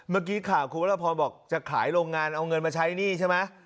เมื่อกี้ข่าวคุณวรพรบอกจะขายโรงงานเอาเงินมาใช้หนี้ใช่ไหม